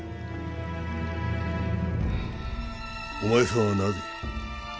お前さんはなぜ？